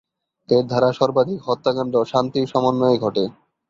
এর দ্বারা সর্বাধিক হত্যাকাণ্ড শান্তির সময়ে ঘটে।